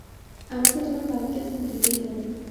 আমাকে তোমার বাবাকে ফোন দিতেই হবে।